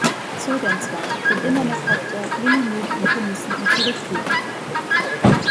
Zögernd zwar, denn immer noch hofft er, Lilli möge ihn vermissen und zurückrufen.